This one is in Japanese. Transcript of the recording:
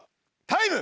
タイム。